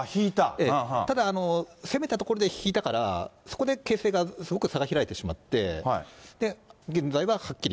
ただ攻めたところで引いたから、そこで形勢がすごく差が開いてしまって、現在ははっきり。